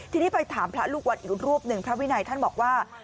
ทีนี้ไปถามพระลูกวัดอีกรูปหนึ่งพระวินัยท่านบอกว่า